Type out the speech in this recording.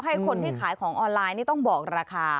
ให้คนที่ขายของออนไลน์นี่ต้องบอกราคา